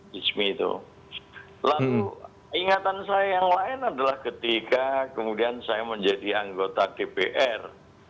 lalu ingatan saya yang lain adalah ketika kemudian saya menjadi anggota dpr